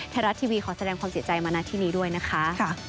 ไทยรัฐทีวีขอแสดงความเสียใจมาณที่นี้ด้วยนะคะ